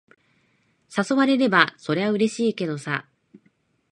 誘われれば、そりゃうれしいけどさ。